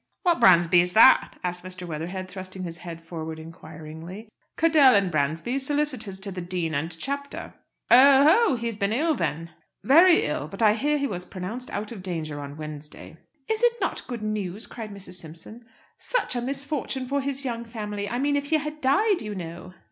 "What Bransby is that?" asked Mr. Weatherhead, thrusting his head forward inquiringly. "Cadell and Bransby, Solicitors to the Dean and Chapter." "Oh o! He has been ill, then?" "Very ill. But I hear he was pronounced out of danger on Wednesday." "Is it not good news?" cried Mrs. Simpson. "Such a misfortune for his young family! I mean if he had died, you know."